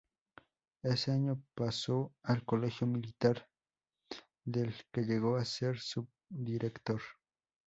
Ese año pasó al Colegio Militar, del que llegó a ser subdirector.